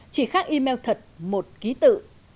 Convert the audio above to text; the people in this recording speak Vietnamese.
chỉ khác email thật một ký tự